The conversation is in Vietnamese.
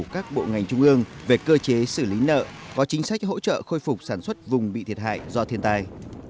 các bộ ngành trung ương về cơ chế xử lý nợ có chính sách hỗ trợ khôi phục sản xuất vùng bị thiệt hại do thiên tai